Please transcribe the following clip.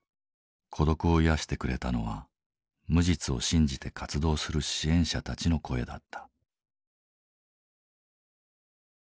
孤独を癒やしてくれたのは無実を信じて活動する支援者たちの声だった。